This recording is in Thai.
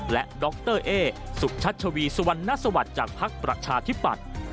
และดรเอสุชัชวีสุวรรณสวัสดิ์จากภักดิ์ประชาธิปัตย์